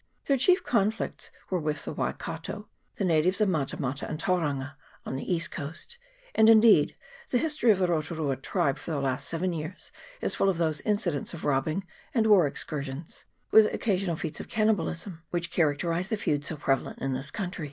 Their chief conflicts were with the Waikato, the natives at Mata mata and Tauranga, on the east coast; and, indeed, the history of the Rotu rua tribe for the last seven years is full of those incidents of robbing and war excursions, with occasional feats of cannibalism, which characterize the feuds so prevalent in this country.